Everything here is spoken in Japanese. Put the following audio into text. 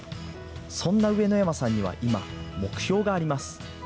そんな上野山さんには今、目標があります。